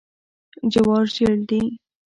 جوار ژیړ دي.